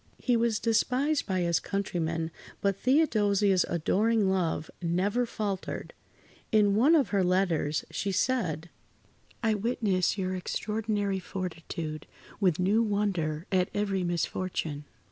He was despised by his countrymen, but Theodosia's adoring love never faltered. In one of her letters she said: "I witness your extraordinary fortitude with new wonder at every misfortune.